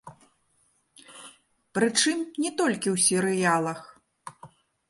Прычым не толькі ў серыялах.